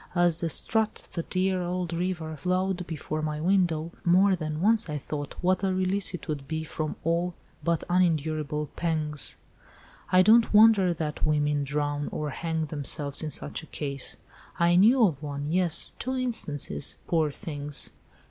As the Sturt, that dear old river, flowed before my window, more than once I thought what a release it would be from all but unendurable pangs. I don't wonder that women drown or hang themselves in such a case. I knew of one—yes—two instances—poor things!"